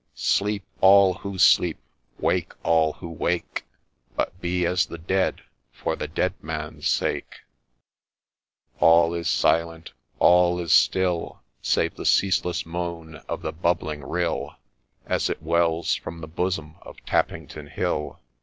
Sleep all who sleep !— Wake all who wake !— But be as the Dead for the Dead Man's sake !!' All is silent ! all is still, Save the ceaseless moan of the bubbling rill As it wells from the bosom of Tappington Hill.